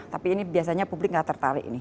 tapi ini biasanya publik nggak tertarik ini